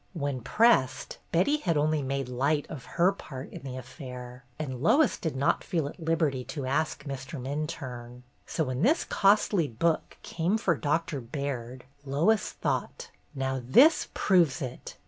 When pressed, Betty had only made light of her part in the affair, and Lois did not feel at liberty to ask Mr. Minturne. So when this costly book came for Doctor Baird, Lois thought: "Now this proves it.